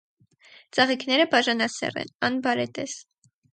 Ծաղիկները բաժանասեռ են, անբարետես։